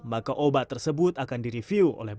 maka obat tersebut akan direview oleh